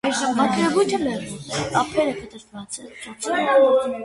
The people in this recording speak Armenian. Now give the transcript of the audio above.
Մակերևույթը լեռնոտ է, ափերը կտրտված են ծոցերով։